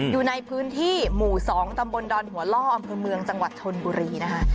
อยู่ในพื้นที่หมู่๒ตำบลดอนหัวล่ออำเภอเมืองจังหวัดชนบุรีนะคะ